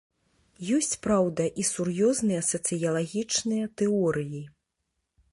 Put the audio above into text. Ёсць, праўда, і сур'ёзныя сацыялагічныя тэорыі.